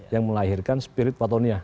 yang melahirkan spirit watonia